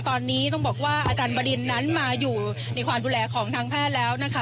ตอนนี้ต้องบอกว่าอาจารย์บดินนั้นมาอยู่ในความดูแลของทางแพทย์แล้วนะคะ